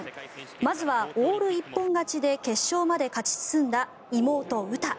まずはオール一本勝ちで決勝まで勝ち進んだ妹・詩。